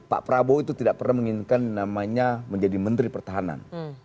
pak prabowo itu tidak pernah menginginkan namanya menjadi menteri pertahanan